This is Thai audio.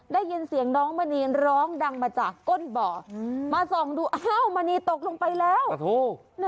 ได้ยินเสียงน้องมณีร้องดังมาจากก้นบ่อมาส่องดูอ้าวมณีตกลงไปแล้ว